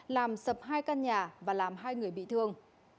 làm sập hai căn nhà và làm hai người bị thương